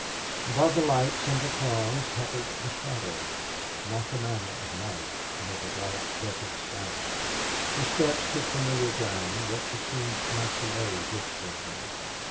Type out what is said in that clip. Above the lights and the throngs hovered a shadow not the mantle of night nor the dark desert sky. Her steps took familiar ground, yet she seemed not to know this Benton.